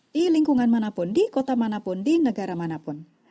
di lingkungan manapun di kota manapun di negara manapun